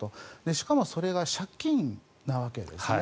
しかもそれが借金なわけですね。